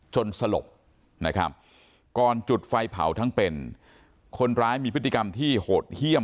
สลบนะครับก่อนจุดไฟเผาทั้งเป็นคนร้ายมีพฤติกรรมที่โหดเยี่ยม